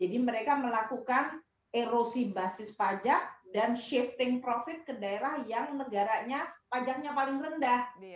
jadi mereka melakukan erosi basis pajak dan shifting profit ke daerah yang negaranya pajaknya paling rendah